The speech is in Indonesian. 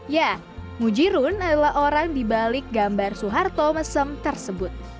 ya mujirun adalah orang dibalik gambar soeharto mesem tersebut